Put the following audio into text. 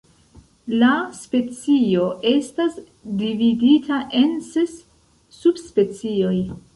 La specio estas dividita en ses subspecioj.